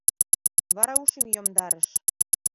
Вара ушым йомдарыш.